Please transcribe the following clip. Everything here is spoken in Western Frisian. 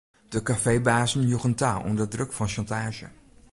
De kafeebazen joegen ta ûnder druk fan sjantaazje.